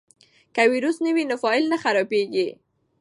که ویروس نه وي نو فایل نه خرابېږي.